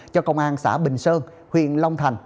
cho công an xã bình sơn huyện long thành